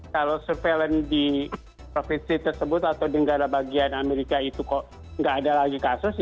kalau surveillancenya di provinsi tersebut atau di negara bagian amerika itu kok nggak ada lagi kasus